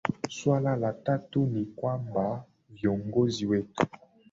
swala la tatu ni kwamba viongozi wetu